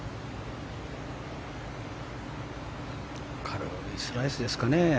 軽いスライスですかね。